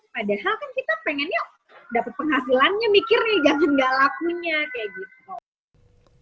padahal kan kita pengennya dapat penghasilannya mikirnya jangan nggak lakunya kayak gitu